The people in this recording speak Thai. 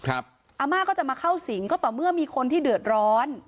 อาม่าก็จะมาเข้าสิงก็ต่อเมื่อมีคนที่เดือดร้อน